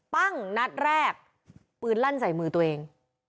ปั้งนัดแรกปืนลั่นใส่มือตัวเอง